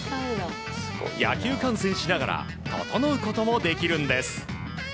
野球観戦しながらととのうこともできるんです。